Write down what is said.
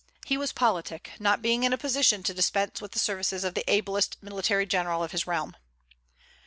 He was politic, not being in a position to dispense with the services of the ablest military general of his realm.